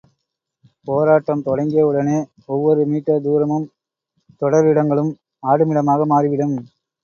போராட்டம் தொடங்கியவுடனே, ஒவ்வொரு மீட்டர் தூரமும் தொடரிடங்களும் ஆடுமிடமாக மாறிவிடும்.